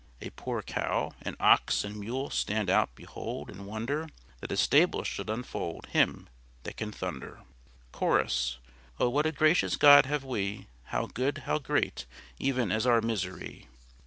A poor cow, An ox and mule stand and behold, And wonder That a stable should enfold Him that can thunder. Chorus. O what a gracious God have we! How good! How great! Even as our misery.